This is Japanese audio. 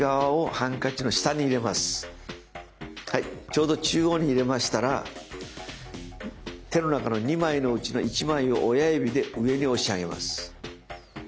ちょうど中央に入れましたら手の中の２枚のうちの１枚を親指で上に押し上げます。